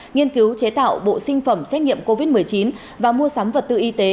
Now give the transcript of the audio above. nghiên cứu chế tạo bộ sinh phẩm xét nghiệm covid một mươi chín và mua sắm vật tư y tế